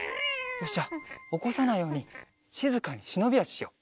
よしじゃあおこさないようにしずかにしのびあししよう。